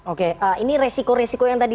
oke ini resiko resiko yang tadi